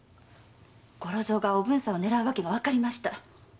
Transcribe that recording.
五六蔵がおぶんさんを狙う訳がわかりました。